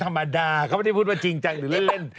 ม้าก็เติมข่าวเองว่าเล่น